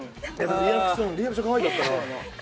リアクションかわいかったな。